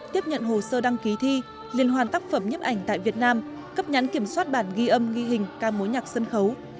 tiếp nhận hồ sơ đăng ký thi liên hoan tác phẩm nhếp ảnh tại việt nam cấp nhãn kiểm soát bản ghi âm ghi hình ca mối nhạc sân khấu